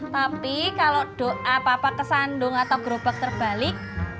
tapi kalo doa papa ke sandung atau gerobak terbalik